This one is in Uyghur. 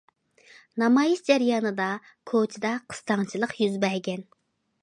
نامايىش جەريانىدا كوچىدا قىستاڭچىلىق يۈز بەرگەن.